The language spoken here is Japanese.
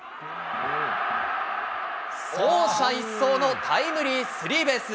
走者一掃のタイムリースリーベース。